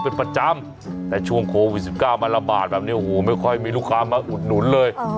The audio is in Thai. ในช่วงโควิสิบก้าวมันละบาทแบบนี้โอ้โฮไม่ค่อยมีลูกค้ามาอุดหนุนเลย